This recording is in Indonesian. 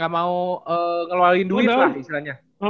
gak mau ngeluarin duit lah istilahnya